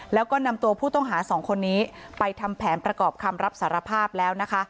แล้วก็นำตัวผู้ต้องหาสองคนนี้ไปทำแผนประกอบคำรับสารภาพแล้วนะคะ